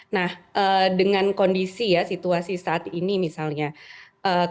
nah dengan kondisi ya situasi saat ini kita bisa memilih dari salah satu